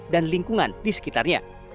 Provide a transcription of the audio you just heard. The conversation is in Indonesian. dan lingkungan di sekitarnya